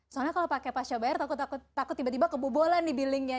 soalnya kalau pakai pasca bayar takut takut tiba tiba kebubolan di billingnya